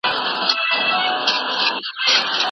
چي موسم د ارغوان وي جهاني وي او یاران وي